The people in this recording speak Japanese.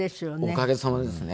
おかげさまですね。